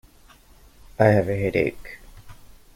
I have a headache.